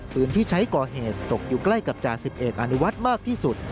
ปืนที่ใช้ก่อเหตุตกอยู่ใกล้กับจา๑๑อนุวัติมากที่สุด